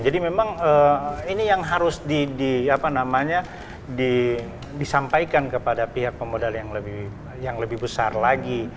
jadi memang ini yang harus disampaikan kepada pihak pemodal yang lebih besar lagi